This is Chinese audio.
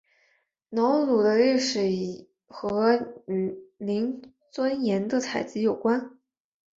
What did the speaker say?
瑙鲁的历史和磷酸盐的采集有关。